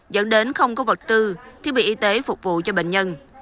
dẫn đến không có vật tư thiết bị y tế phục vụ cho bệnh nhân